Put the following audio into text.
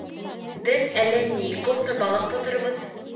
Беҙ әле, ни, күпме балыҡ тоторбоҙ.